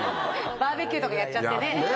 バーベキューとかやっちゃってね。